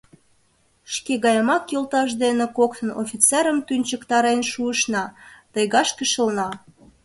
Шке гаемак йолташ дене коктын офицерым тӱнчыктарен шуышна, тайгашке шылна...